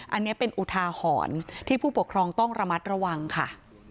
อันนี้เป็นอุทาหรณ์ที่ผู้ปกครองต้องระมัดระวังค่ะ